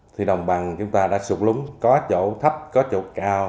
thì đồng bằng chúng ta đã sụt lúng có chỗ thấp có chỗ cao